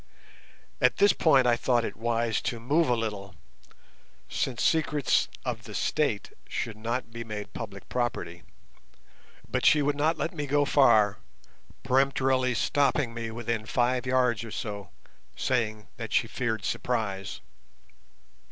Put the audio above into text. At this point I thought it wise to move a little, since secrets "of the State" should not be made public property; but she would not let me go far, peremptorily stopping me within five yards or so, saying that she feared surprise.